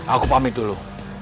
aku pamit dulu